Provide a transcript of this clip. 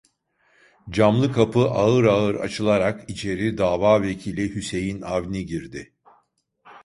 Camlı kapı ağır ağır açılarak içeri davavekili Hüseyin Avni girdi.